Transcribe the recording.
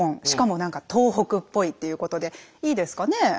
しかも何か東北っぽいっていうことでいいですかね？